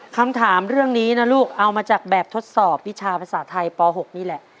คำถามเรื่องนี้นะลูกเอามาจากแบบทดสอบวิชาภาษาไทยป๖นี่แหละ